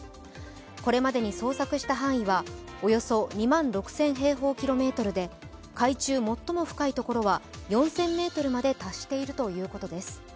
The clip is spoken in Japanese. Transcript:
これまでに捜索した範囲はおよそ２万６０００平方キロメートルで海中最も深いところは４０００ｍまで達しているということです。